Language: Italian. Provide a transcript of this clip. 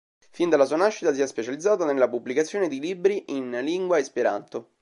Fin dalla sua nascita si è specializzata nella pubblicazione di libri in lingua esperanto.